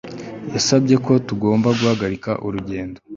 Yasabye ko tugomba guhagarika urugendo